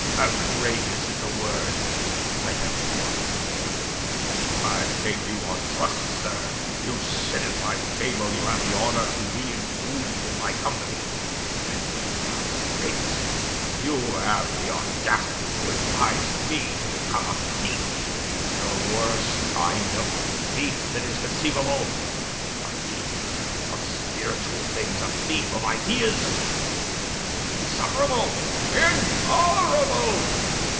"Outrageous is the word. I thank you for it, my dear. I take you on trust, sir. You sit at my table, you have the honour to be included in my company, and to my face you have the audacity to advise me to become a thief the worst kind of thief that is conceivable, a thief of spiritual things, a thief of ideas! It is insufferable, intolerable!